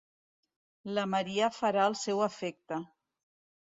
La maria farà el seu efecte.